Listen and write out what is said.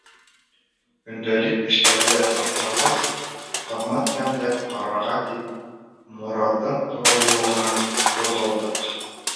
Көндәлек эштәрҙе атҡарғас, ҡымыҙ тәмләп ҡарарға тип, Мораҙым тарлауығына ҡуҙғалдыҡ.